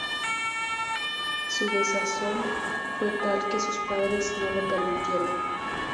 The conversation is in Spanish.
Su desazón fue tal que sus padres no lo permitieron.